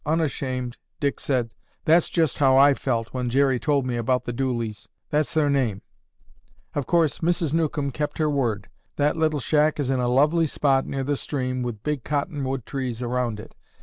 Unashamed, Dick said, "That's just how I felt when Jerry told me about the Dooleys. That's their name. Of course, Mrs. Newcomb kept her word. That little shack is in a lovely spot near the stream with big cottonwood trees around it.